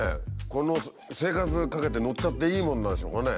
この生活かけて乗っちゃっていいものなんでしょうかね。